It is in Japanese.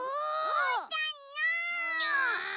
うーたんの！